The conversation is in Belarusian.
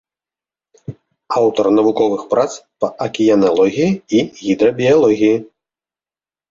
Аўтар навуковых прац па акіяналогіі і гідрабіялогіі.